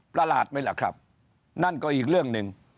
ประหลาดไหมล่ะครับนั่นก็อีกเรื่องหนึ่ง